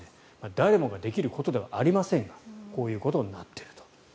誰もができることではありませんがこういうことになっていると。